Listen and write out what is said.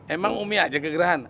emang ummi aja kegerahan